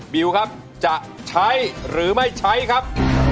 บิวครับจะใช้หรือไม่ใช้ครับ